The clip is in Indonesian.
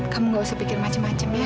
kamu nggak usah pikir macem macem ya